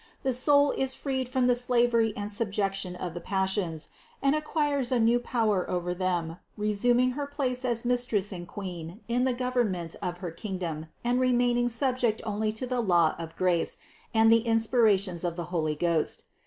The soul is freed from the slavery and subjection of the passions, and acquires a new power over them, resuming her place as mistress and queen in the government of her kingdom and remaining subject only to the law of grace and the inspirations of the Holy Ghost.